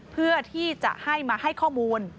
เพื่อที่จะให้มาให้ข้อมูล